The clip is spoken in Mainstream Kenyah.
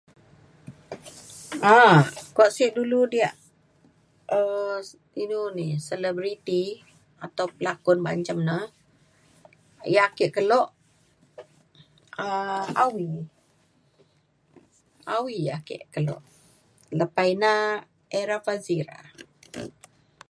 a’ak kuak sek dulu diak um inu ni selebriti atau pelakon ban cem na yak ake kelo um Awie. Awie ake kelo. lepa ina Erra Fazira